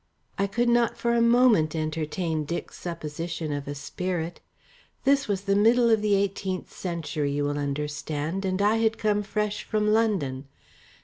I could not for a moment entertain Dick's supposition of a spirit. This was the middle of the eighteenth century, you will understand, and I had come fresh from London.